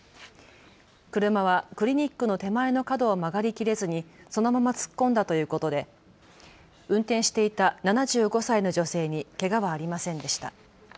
車はクリニックの手前の角を曲がりきれずにそのまま突っ込んだということで運転していた７５歳の女性にけがはありませんでした。